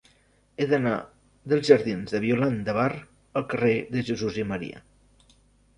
He d'anar dels jardins de Violant de Bar al carrer de Jesús i Maria.